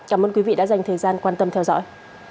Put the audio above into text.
cảm ơn quý vị đã dành thời gian quan tâm theo dõi